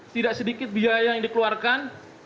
tidak sedikit biaya yang dikeluarkan